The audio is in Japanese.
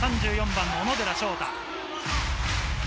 ３４番の小野寺祥太。